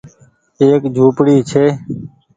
ايڪ جهونپڙي ڇي